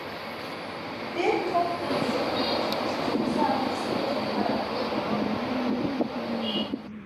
بىر توپ بولۇشۇپ چېلىشىش مۇسابىقىسى ئېلىپ باراتتۇق.